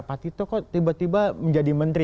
pak tito kok tiba tiba menjadi menteri